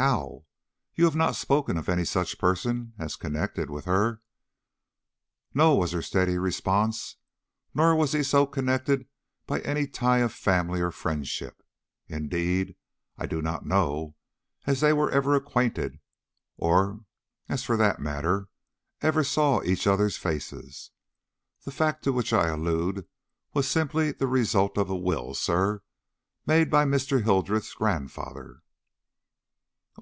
"How? You have not spoken of any such person as connected with her." "No," was her steady response; "nor was he so connected by any tie of family or friendship. Indeed, I do not know as they were ever acquainted, or, as for that matter, ever saw each other's faces. The fact to which I allude was simply the result of a will, sir, made by Mr. Hildreth's grandfather."